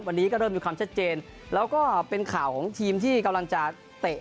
วันนี้ก็เริ่มมีความชัดเจนแล้วก็เป็นข่าวของทีมที่กำลังจะเตะ